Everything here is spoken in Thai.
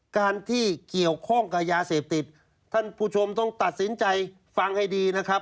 การที่เกี่ยวข้องกับยาเสพติดท่านผู้ชมต้องตัดสินใจฟังให้ดีนะครับ